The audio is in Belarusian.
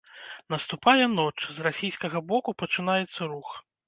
Наступае ноч, з расійскага боку пачынаецца рух.